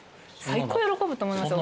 最高喜ぶと思います。